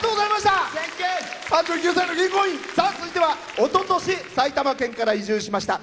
続いては、おととし埼玉県から移住しました。